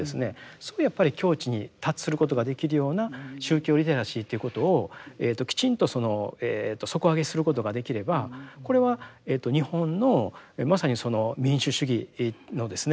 そういうやっぱり境地に達することができるような宗教リテラシーということをきちんと底上げすることができればこれは日本のまさにその民主主義のですね